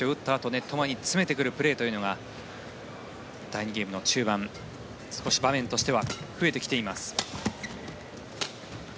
ネット前に詰めてくるプレーというのが第２ゲームの中盤少し場面としては増えてきています。